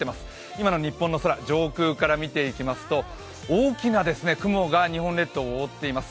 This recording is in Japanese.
今の日本の空、上空から見ていきますと大きな雲が日本列島を覆っています